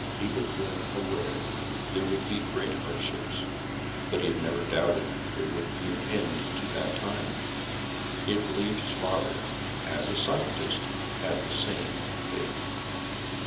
He had been aware there would be great hardships, but he had never doubted there would be an end to that time. He had believed his father, as a scientist, had the same faith.